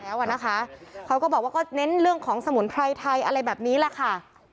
แล้วอ่ะนะคะเขาก็บอกว่าก็เน้นเรื่องของสมุนไพรไทยอะไรแบบนี้แหละค่ะ